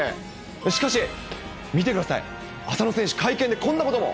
しかし、見てください、浅野選手、会見でこんなことも。